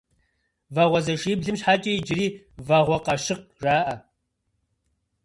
Вагъуэзэшиблым щхьэкӏэ иджыри Вагъуэкъащыкъ жаӏэ.